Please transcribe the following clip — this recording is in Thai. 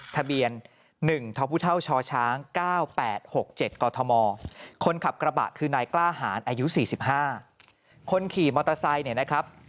ทะเบียน๑ทพชช๙๘๖๗กธมคนขับกระบะคือนายกล้าหารอายุ๔๕คนขี่มอเตอร์ไซค์เนี่ยนะครับ